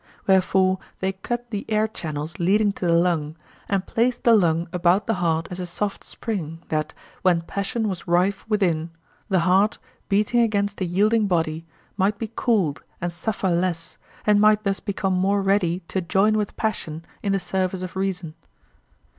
Wherefore they cut the air channels leading to the lung, and placed the lung about the heart as a soft spring, that, when passion was rife within, the heart, beating against a yielding body, might be cooled and suffer less, and might thus become more ready to join with passion in the service of reason.